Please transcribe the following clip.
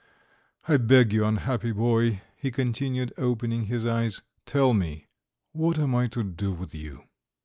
I beg you, unhappy boy," he continued, opening his eyes, "tell me: what am I to do with you?"